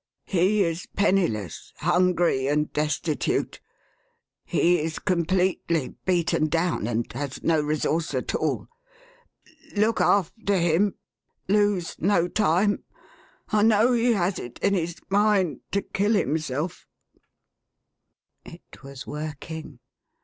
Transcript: He is penniless, hungry, and destitute. He is completely beaten down, and has no resource at all. Look after him ! Lose no time ! I know he has it in his mind to kill himself/1 It was working.